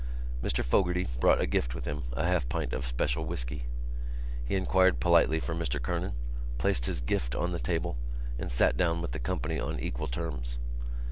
Mr Fogarty brought a gift with him, a half pint of special whisky. He inquired politely for Mr Kernan, placed his gift on the table and sat down with the company on equal terms.